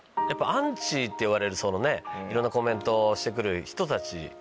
やっぱ「アンチ」っていわれるいろんなコメントをして来る人たち。